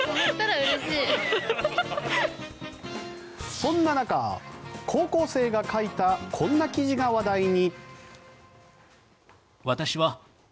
そんな中、高校生が書いたこんな記事が話題に。